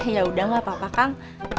ya udah gak apa apa kang